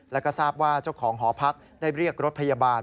แล้วก็ทราบว่าเจ้าของหอพักได้เรียกรถพยาบาล